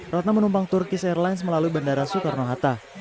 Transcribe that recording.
ratna menumpang turkis airlines melalui bandara soekarno hatta